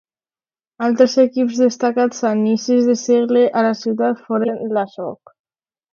Altres equips destacats a inicis de segle a la ciutat foren la Soc.